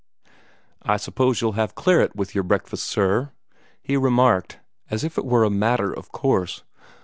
"I suppose you'll have claret with your breakfast, sir?" he remarked, as if it were a matter of course.